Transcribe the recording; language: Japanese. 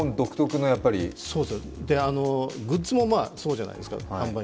販売してるグッズもそうじゃないですか。